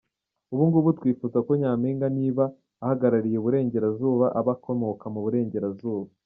Ubungubu twifuza ko Nyampinga niba ahagarariye Uburengerazuba, aba akomoka mu Burengerazuba.